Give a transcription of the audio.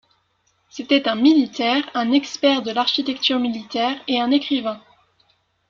C'était un militaire, un expert de l'architecture militaire et un écrivain.